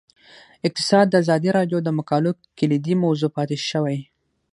اقتصاد د ازادي راډیو د مقالو کلیدي موضوع پاتې شوی.